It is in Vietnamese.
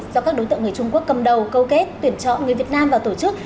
do các đối tượng người trung quốc cầm đầu câu kết tuyển chọn người việt nam vào tổ chức